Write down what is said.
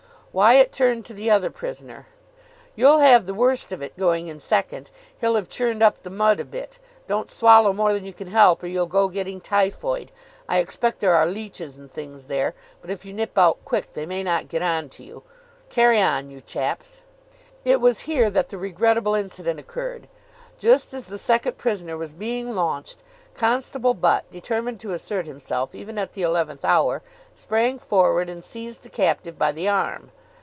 Wyatt turned to the other prisoner. "You'll have the worst of it, going in second. He'll have churned up the mud a bit. Don't swallow more than you can help, or you'll go getting typhoid. I expect there are leeches and things there, but if you nip out quick they may not get on to you. Carry on, you chaps." It was here that the regrettable incident occurred. Just as the second prisoner was being launched, Constable Butt, determined to assert himself even at the eleventh hour, sprang forward, and seized the captive by the arm.